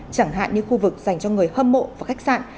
chẳng hạn như khu vực dành cho người hâm mộ và khách sạn